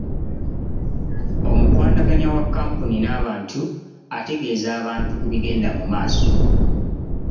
Omukwanaganya wa kkampuni n'abantu ategeeza abantu ku bigenda mu maaso.